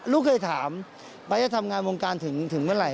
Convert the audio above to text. ลูกเคยถามไปจะทำงานวงการถึงเมื่อไหร่